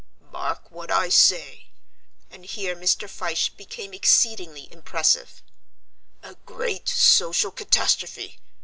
Mark what I say" and here Mr. Fyshe became exceedingly impressive "a great social catastrophe.